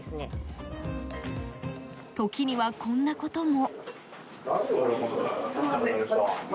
時にはこんなことも。